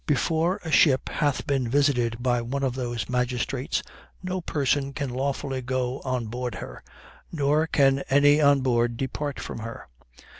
Before a ship hath been visited by one of those magistrates no person can lawfully go on board her, nor can any on board depart from her.